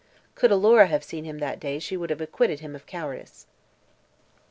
Could Alora have seen him that day she would have acquitted him of cowardice.